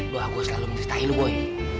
lu aku selalu mencintai lu boy